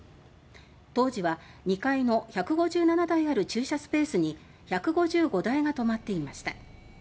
当時は、２階の１５７台ある駐車スペースに１５５台が停まっていました。